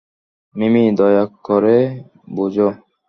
মিমি, দয়া করে বোঝ।